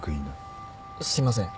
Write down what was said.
すいません。